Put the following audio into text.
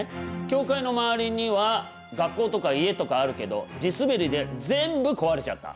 教会の周りには学校とか家とかあるけど地滑りで全部壊れちゃった。